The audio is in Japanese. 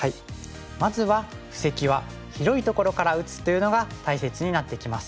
まずは布石は広いところから打つというのが大切になってきます。